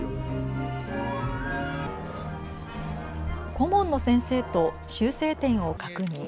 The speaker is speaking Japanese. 顧問の先生と修正点を確認。